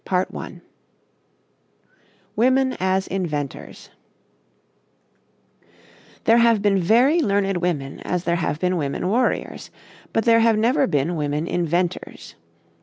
CHAPTER X WOMEN AS INVENTORS "There have been very learned women as there have been women warriors, but there have never been women inventors."